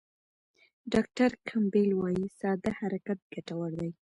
ډاکټر کمپبل وايي ساده حرکت ګټور دی.